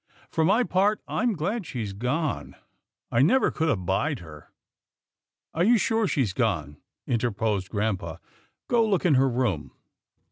For my part, I'm glad she's gone. I never could abide her." "Are you sure she's gone?" interposed grampa. " Go look in her room."